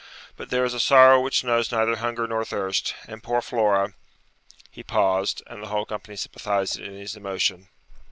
But there is a sorrow which knows neither hunger nor thirst; and poor Flora ' He paused, and the whole company sympathised in his emotion.